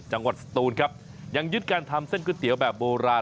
สตูนครับยังยึดการทำเส้นก๋วยเตี๋ยวแบบโบราณ